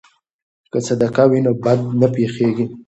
که صدقه وي نو بد نه پیښیږي.